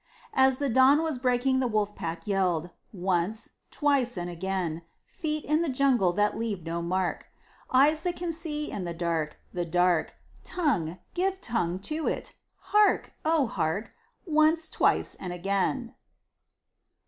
As the dawn was breaking the Wolf Pack yelled Once, twice and again! Feet in the jungle that leave no mark! Eyes that can see in the dark the dark! Tongue give tongue to it! Hark! O hark! Once, twice and again!